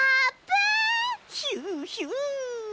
ヒュヒュ！